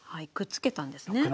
くっつけたんですね。